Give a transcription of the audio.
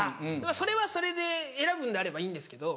それはそれで選ぶんであればいいんですけど。